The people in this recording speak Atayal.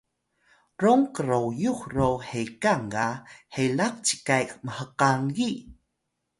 rom qroyux ro hekang ga helax cikay mhkangi